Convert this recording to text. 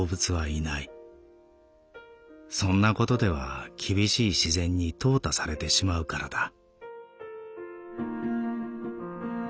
そんなことでは厳しい自然に淘汰されてしまうからだ」。